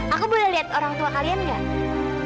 aku boleh liat orang tua kalian gak